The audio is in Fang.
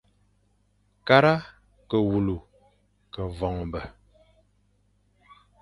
Kara ke wule ke voñbe.